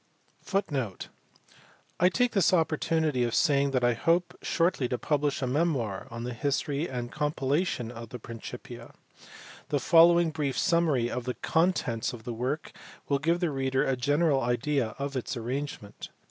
* I take this opportunity of saying that I hope shortly to publish a memoir on the history and compilation of the Principia. The following brief summary of the contents of the work will give the reader a general idea of its arrangement.